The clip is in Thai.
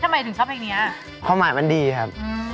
ทำไมถึงชอบเพย์งนี้อะเพราะหมายว่ามันดีครับ